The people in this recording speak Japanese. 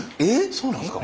そうなんですか？